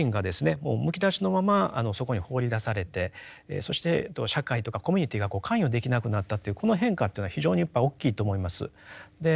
もうむき出しのままそこに放り出されてそして社会とかコミュニティーが関与できなくなったというこの変化というのは非常にやっぱり大きいと思います。